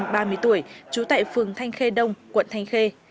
nguyễn hoài thanh ba mươi hai tuổi trú tại phường thanh khê đông quận thanh khê